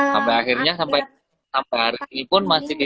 sampai akhirnya sampai hari ini pun masih di